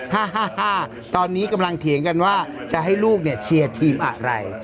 ฮ่าตอนนี้กำลังเถียงกันว่าจะให้ลูกเชียร์ทีมอะไร